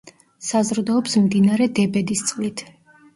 საზრდოობს მდინარე დებედის წყლით.